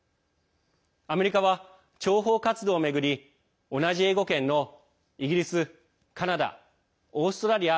アメリカは諜報活動を巡り同じ英語圏のイギリス、カナダオーストラリア